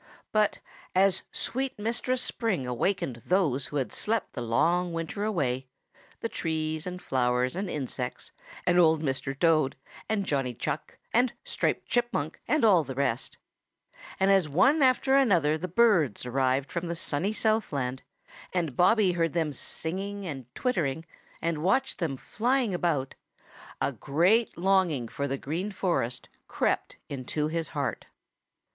But as sweet Mistress Spring awakened those who had slept the long winter away the trees and flowers and insects, and Old Mr. Toad and Johnny Chuck and Striped Chipmunk and all the rest and as one after another the birds arrived from the sunny Southland, and Bobby heard them singing and twittering, and watched them flying about, a great longing for the Green Forest crept into his heart.